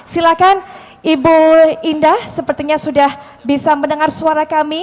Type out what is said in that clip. silakan ibu indah sepertinya sudah bisa mendengar suara kami